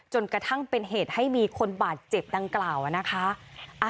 จนกระทั่งเป็นเหตุให้มีคนบาดเจ็บดังกล่าวนะคะ